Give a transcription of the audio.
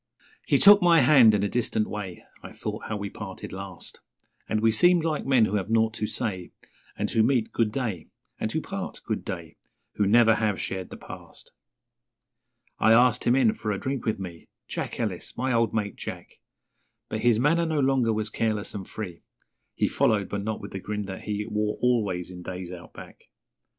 He took my hand in a distant way (I thought how we parted last), And we seemed like men who have nought to say And who meet 'Good day', and who part 'Good day', Who never have shared the past. I asked him in for a drink with me Jack Ellis my old mate, Jack But his manner no longer was careless and free, He followed, but not with the grin that he Wore always in days Out Back.